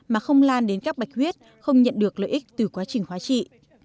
mà không lan đến các bạch huyết không nhận được lợi ích từ quá trình hóa trị